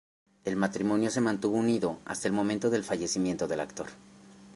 El matrimonio se mantuvo unido hasta el momento del fallecimiento del actor.